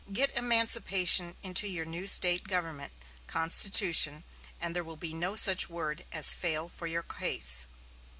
Get emancipation into your new State government constitution and there will be no such word as fail for your case."